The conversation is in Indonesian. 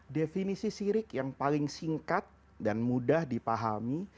definisi sirik yang paling singkat dan mudah dipahami